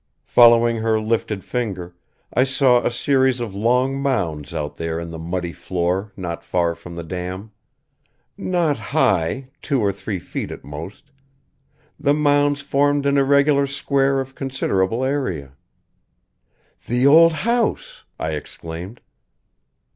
Following her lifted finger, I saw a series of long mounds out there in the muddy floor not far from the dam. Not high, two or three feet at most, the mounds formed an irregular square of considerable area. "The old house!" I exclaimed.